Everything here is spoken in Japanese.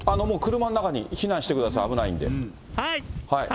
もう車の中に避難してください、危ないんで。